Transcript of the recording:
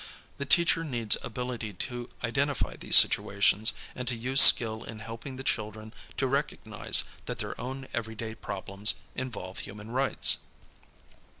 The teacher needs ability to identify these situations and to use skill in helping the children to recognize that their own everyday problems involve human rights.